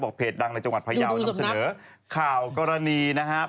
เพจดังในจังหวัดพยาวนำเสนอข่าวกรณีนะครับ